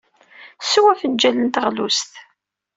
Swan afenjal n teɣlust.